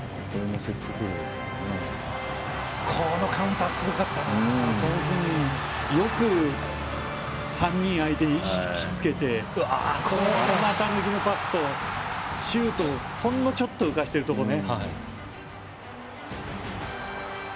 ソン・フンミン、よく３人相手にひきつけて、股抜きのパスとシュートをほんのちょっと浮かせてるところね。